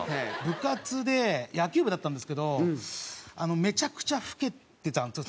部活で野球部だったんですけどめちゃくちゃ老けてたんです